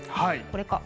これか。